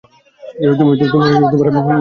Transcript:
তুমি এসবের কিছুই জানতে না?